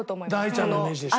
大ちゃんのイメージでしょ。